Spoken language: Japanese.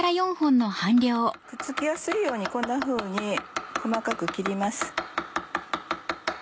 くっつきやすいようにこんなふうに細かく切ります。